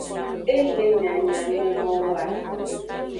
E le nyanyamenowoa.